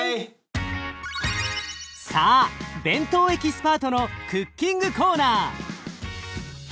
さあ弁当エキスパートのクッキングコーナー。